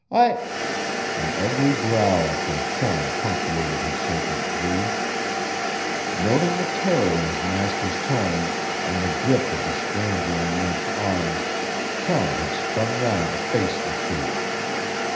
I " An ugly growl from Chum punctuated his scared plea. Noting the terror in his master's tone and the grip of the stranger on Link's arm, Chum had spun round to face the two.